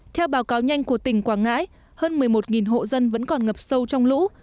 theo báo cáo nhanh của tỉnh quảng ngãi hơn một mươi một hộ dân vẫn còn ngập sâu trong lũ